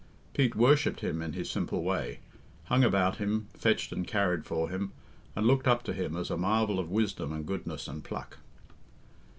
Pete worshipped him in his simple way, hung about him, fetched and carried for him, and looked up to him as a marvel of wisdom and goodness and pluck.